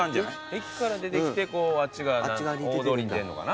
駅から出てきてあっち大通りに出んのかな？